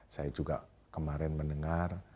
saya juga kemarin mendengar